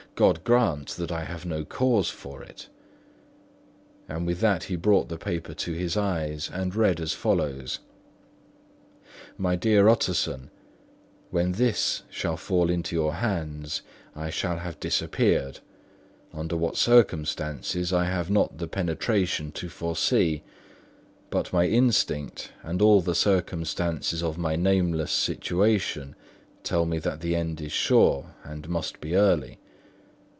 "God grant I have no cause for it!" And with that he brought the paper to his eyes and read as follows: "My dear Utterson,—When this shall fall into your hands, I shall have disappeared, under what circumstances I have not the penetration to foresee, but my instinct and all the circumstances of my nameless situation tell me that the end is sure and must be early.